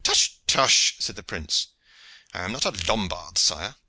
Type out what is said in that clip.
"Tush! tush!" said the prince. "I am not a Lombard, sire.